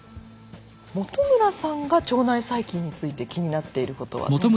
元村さんが腸内細菌について気になっていることはどんなことですか？